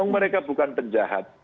mereka bukan penjahat